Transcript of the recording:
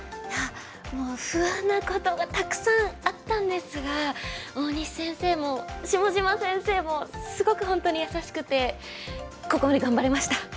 いやもう不安なことがたくさんあったんですが大西先生も下島先生もすごく本当に優しくてここまで頑張れました。